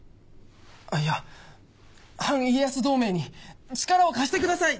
いや反家康同盟に力を貸してください！